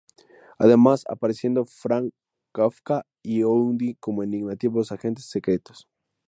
Además apareciendo Franz Kafka y Houdini como enigmáticos agentes secretos.